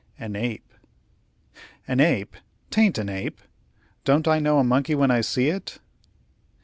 "An ape." "An ape! 'taint an ape. Don't I know a monkey when I see it?"